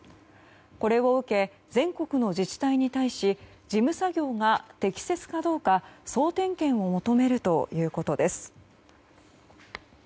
これを受け全国の自治体に対し事務作業が適切かどうか総点検を求めるということです。